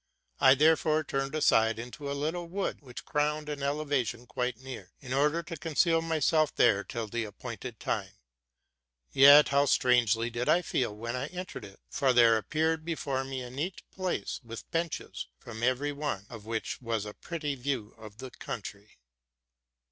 I therefore turned aside into « littie wood, which crowned an elevation quite near, in order to conceal myself there till the ap pointed time. Yet what a strange feeling came over me when I entered it; for there appeared before me a neat place, with benches, from every one of which was a pretty view of the country.